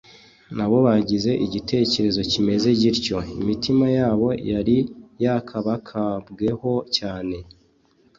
nabo bagize igitekerezo kimeze gityo. Imitima yabo yari yakabakabweho cyane,